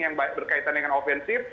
yang berkaitan dengan ofensif